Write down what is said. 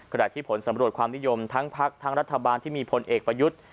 ขณะที่ผลสำรวจความนิยมทั้งพักทั้งรัฐบาลที่มีพลเอกประยุทธ์